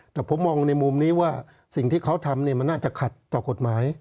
แต่ผมมองในมุมนี้ว่าสิ่งที่เขาทำมันน่าจะขัดต่อกฎหมาย